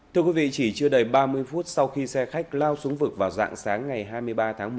thưa quý vị chỉ chưa đầy ba mươi phút sau khi xe khách lao xuống vực vào dạng sáng ngày hai mươi ba tháng một